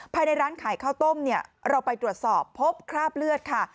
ภายในร้านขายข้าวต้มเนี่ยเราไปตรวจสอบพบคราบเลือดค่ะ